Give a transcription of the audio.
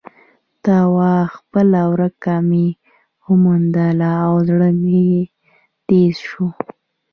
ته وا خپله ورکه مې وموندله او زړه مې تیز شو.